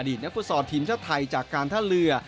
นักฟุตซอลทีมชาติไทยจากการท่าเรือ